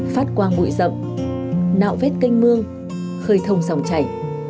phát quang bụi rậm nạo vét canh mương khơi thông dòng chảy